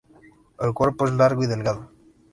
El cuerpo es largo y delgado.